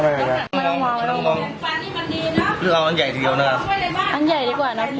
มันจะเจ็บไง